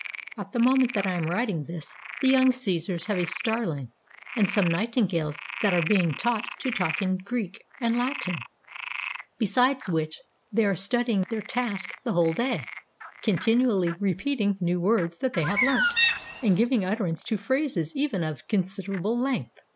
At the moment that I am writing this, the young Caesars have a Starling and some nightingales that are being taught to talk in Greek and Latin; besides which, they are studying their task 156 the whole day, continually repeating the new words that they have learnt, and giving utterance to phrases even of considerable length."